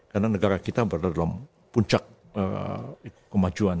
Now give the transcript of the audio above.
karena negara kita berada dalam puncak kemajuan